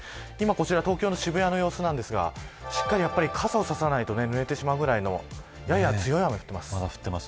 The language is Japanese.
東京の渋谷の様子ですがしっかり傘をささないと濡れてしまうぐらいのやや強い雨が降っています。